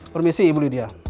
permisi ibu lydia